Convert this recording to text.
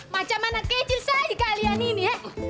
macam mana kecil saja kalian ini